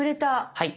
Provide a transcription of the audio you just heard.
はい。